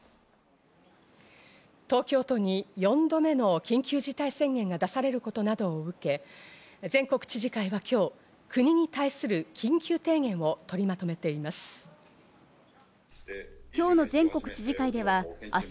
東京都に４度目の緊急事態宣言が出されることなどを受け、全国知事会は今日、国に対する緊急提言を取りまとめています。